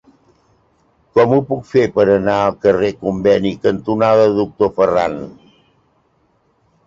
Com ho puc fer per anar al carrer Conveni cantonada Doctor Ferran?